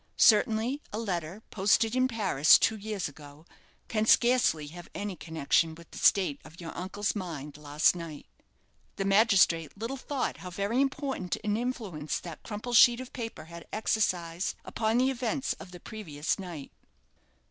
Certainly, a letter, posted in Paris two years ago, can scarcely have any connection with the state of your uncle's mind last night." The magistrate little thought how very important an influence that crumpled sheet of paper had exercised upon the events of the previous night.